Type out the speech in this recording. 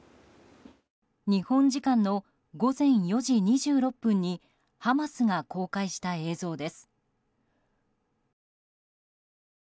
日本時間の午前４時２６分にハマスが公開した映像です。